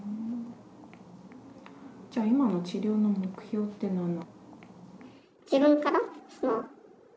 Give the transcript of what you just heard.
じゃあ今の治療の目標って何だろう？